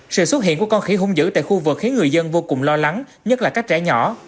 sự xuất hiện của con khỉ hung dữ tại khu vực khiến người dân vô cùng lo lắng nhất là các trẻ nhỏ